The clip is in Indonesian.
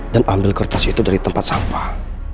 dan ambil kertas itu dari tempat sampah